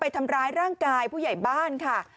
ทำร้ายร่างกายผู้ใหญ่บ้านค่ะ